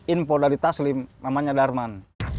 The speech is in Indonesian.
inpol dari taslim namanya darman